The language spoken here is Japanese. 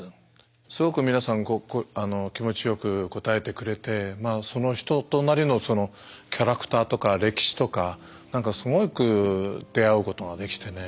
すごく皆さん気持ちよく応えてくれてその人となりのそのキャラクターとか歴史とかすごく出会うことができてね